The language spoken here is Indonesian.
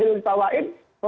untuk membangun narasi tadi